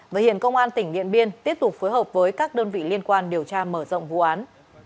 và hiện công an tỉnh điện biên tiếp tục phối hợp với các đơn vị liên quan điều tra mở rộng vụ án